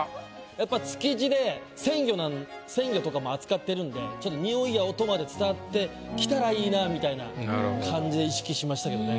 やっぱ築地で鮮魚とかも扱ってるんでにおいや音まで伝わってきたらいいなみたいな感じで意識しましたけどね。